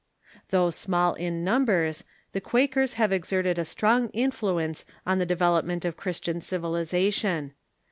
Though small in numbers, the Quakers have exerted a strong influence on the development of Christian civilization.